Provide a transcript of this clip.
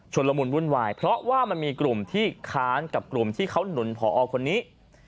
ละมุนวุ่นวายเพราะว่ามันมีกลุ่มที่ค้านกับกลุ่มที่เขาหนุนผอคนนี้